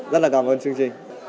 rất là cảm ơn chương trình